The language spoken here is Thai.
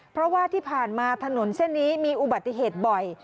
เพราะว่าที่ผ่านมาถนนเส้นนี้มีอุบัติเหตุบ่อย